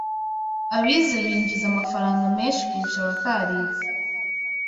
Abize binjiza amafaranga menshi kurusha abatarize